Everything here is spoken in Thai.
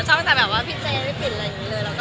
ชอบจากพี่แจนพี่ปิ่นอะไรอย่างนี้เลย